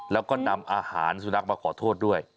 แล้วก็นำอาหารสุนัขมาขอโทษด้วย